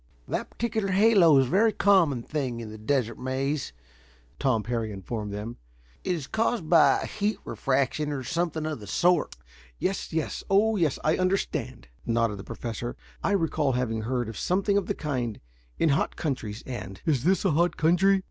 "That particular halo is a very common thing in the Desert Maze," Tom Parry informed them. "It is caused by heat refraction, or something of the sort " "Yes, yes. Oh, yes, I understand," nodded the Professor. "I recall having heard of something of the kind in hot countries, and " "Is this a hot country?"